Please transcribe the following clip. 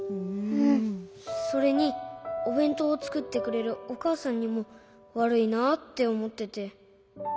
それにおべんとうをつくってくれるおかあさんにもわるいなっておもってて。